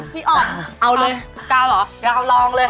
อ่อนเอาเลยกาวเหรอกาวลองเลย